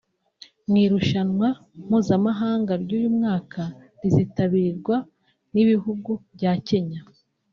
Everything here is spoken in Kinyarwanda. Mu irushanwa mpuzamahanga ry’uyu mwaka rizitabirwa n’ibihugu bya Kenya